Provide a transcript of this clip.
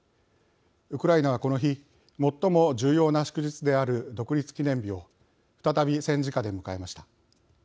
ウクライナは、この日最も重要な祝日である独立記念日を再び、戦時下で迎えました。